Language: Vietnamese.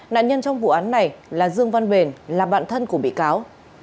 nạn nhân trong vụ án này là dương văn bền là bạn thân của bị cáo